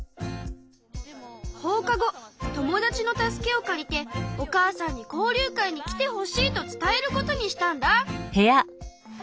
放課後友達の助けを借りてお母さんに交流会に来てほしいと伝えることにしたんだ。